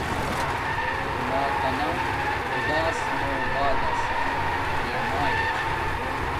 دونیاتانہ خداس موں بعداس پیامایا چھے